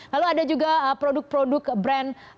lalu ada juga produk produk brand